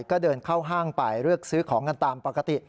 ก็เดินเข้าห้างไปเลือกซื้อของกันตามปกติ